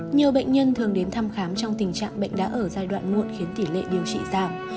nhiều bệnh nhân thường đến thăm khám trong tình trạng bệnh đã ở giai đoạn muộn khiến tỷ lệ điều trị giảm